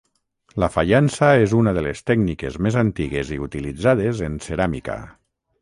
La faiança és una de les tècniques més antigues i utilitzades en ceràmica.